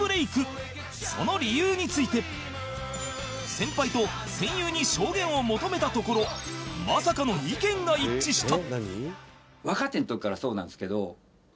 その理由について先輩と戦友に証言を求めたところまさかの意見が一致した